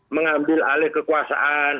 mengambil alih kekuasaan